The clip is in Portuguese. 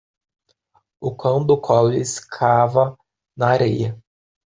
O cão do Collie escava na areia.